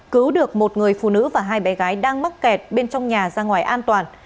cứu được một người phụ nữ và hai bé gái đang mắc kẹt bên trong nhà ra ngoài an toàn